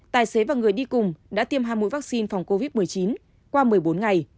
tài xế và người đi cùng đã tiêm hai mũi vaccine phòng covid một mươi chín qua một mươi bốn ngày